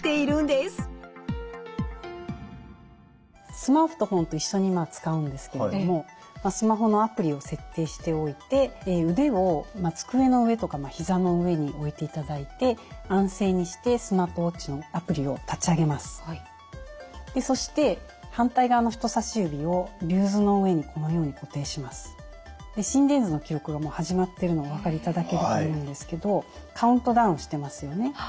スマートフォンと一緒に使うんですけれどもスマホのアプリを設定しておいてそして反対側の人さし指を心電図の記録がもう始まってるのがお分かりいただけると思うんですけどカウントダウンしてますよね。